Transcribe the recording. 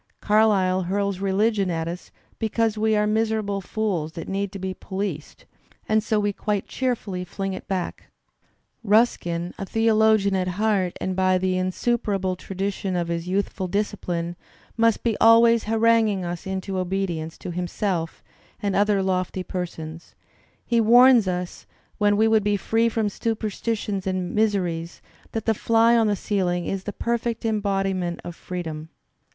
Carlyle hurls religion at us because we are miserable fools that need to be policed, and so we quite cheerfully fling it back. Ruskin, a theologian at heart and by the insuperable tradition of his youthful discipline, must be always haranguing us into obedience to himself and other lofty persons; he warns us, when we would be free from superstitions and miseries, that the fly on the ceiling is the perfect embodiment of freedom.